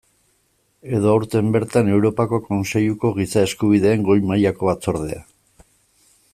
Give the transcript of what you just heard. Edo aurten bertan Europako Kontseiluko Giza Eskubideen Goi mailako Batzordea.